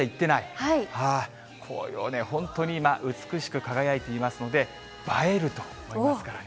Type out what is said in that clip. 紅葉ね、本当に今、美しく輝いていますので、映えると思いますからね。